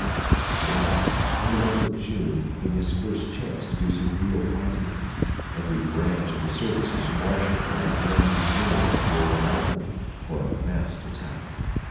At last, in the month of June, came his first chance to do some real fighting. Every branch of the service was marshalled by the commanding general, Lord Raglan, for a massed attack.